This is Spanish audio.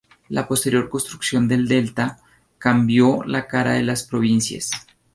La posterior construcción del Delta cambió la cara de las provincias.